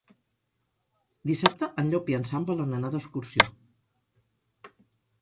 Dissabte en Llop i en Sam volen anar d'excursió.